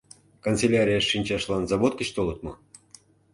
Канцелярийыш шинчашлан завод гыч толыт мо?